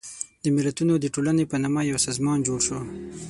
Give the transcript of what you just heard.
د ملتونو د ټولنې په نامه یو سازمان جوړ شو.